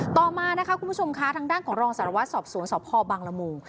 ต่อมานะคะคุณผู้ชมค่ะทางด้านของรองสารวัตรสอบสวนสพบังละมุง